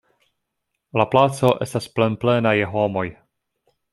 La placo estas plenplena je homoj.